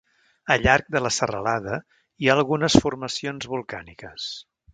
A llarg de la serralada hi ha algunes formacions volcàniques.